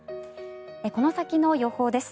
この先の予報です。